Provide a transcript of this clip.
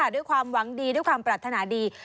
ด้วยความหวังดีด้วยความปรารถนาดี